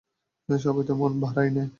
সবাই তো এমন, ভাড়াই নেয়।